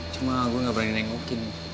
cuma aku gak berani nengokin